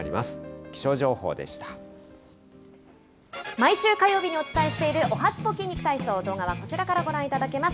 毎週火曜日にお伝えしているおはＳＰＯ筋肉体操、動画はこちらからご覧いただけます。